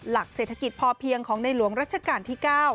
หลักเศรษฐกิจพอเพียงของในหลวงรัชกาลที่๙